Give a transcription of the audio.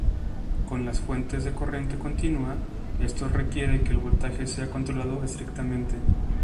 Con las fuentes de corriente continua, esto requiere que el voltaje sea controlado estrictamente.